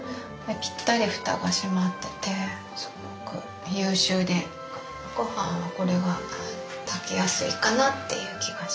ぴったり蓋が閉まっててすごく優秀でごはんはこれが炊きやすいかなっていう気がします。